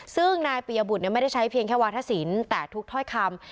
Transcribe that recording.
ซึ่งนายปียบุตรไม่ได้ใช้เพียงแค่วาทศิลป์แต่ทุกถ้อยคำ